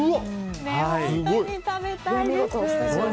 本当に食べたいです。